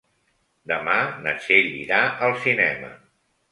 Demà na Txell irà al cinema.